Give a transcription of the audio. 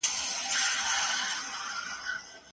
لوستې مور د ؛خوراکي توکو نېټه ګوري.